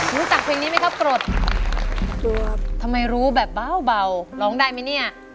รู้จักเพลงนี้ไหมครับกรดรู้ครับทำไมรู้แบบเบาเบาร้องได้มั้ยเนี้ย